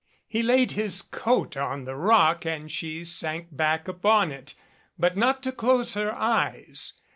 He laid his coat on the rock, and she sank back upon it, but not to close her eyes.